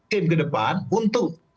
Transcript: tim kedepan untuk